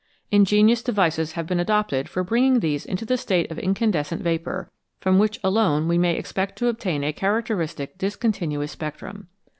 Ingenious devices have been adopted for bringing these into the state of incandescent vapour, from which alone we may expect to obtain a characteristic discontinuous spectrum.